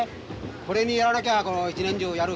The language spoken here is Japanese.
これにやらなきゃこの一年中やる